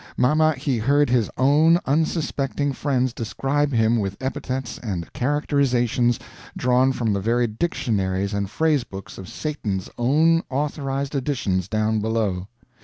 Mamma, he heard his own unsuspecting friends describe him with epithets and characterizations drawn from the very dictionaries and phrase books of Satan's own authorized editions down below.